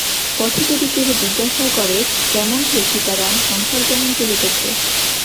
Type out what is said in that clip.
পথে যদি কেহ জিজ্ঞাসা করে, কেমন হে সীতারাম, সংসার কেমন চলিতেছে?